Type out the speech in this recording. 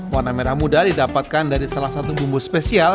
warna merah muda didapatkan dari salah satu bumbu spesial